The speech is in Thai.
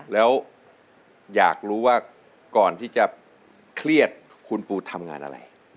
แล้วอยากรู้ว่าก่อนที่จะเครียดคุณปูทำงานอะไร